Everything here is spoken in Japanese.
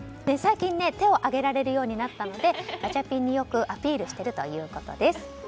最近、手を上げられるようになったのでガチャピンによくアピールしているということです。